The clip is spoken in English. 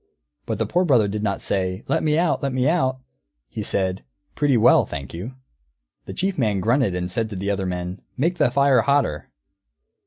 But the Poor Brother did not say, "Let me out! Let me out!" He said, "Pretty well, thank you." The Chief Man grunted and said to the other men, "Make the fire hotter."